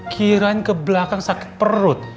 kiraran ke belakang sakit perut